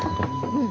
うん。